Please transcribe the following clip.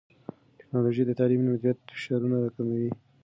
ټیکنالوژي د تعلیمي مدیریت فشارونه راکموي.